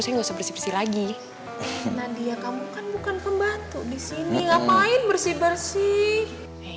saya nggak usah bersih bersih lagi nadia kamu kan bukan pembantu di sini ngapain bersih bersih